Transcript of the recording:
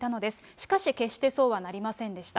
しかし、決してそうはなりませんでした。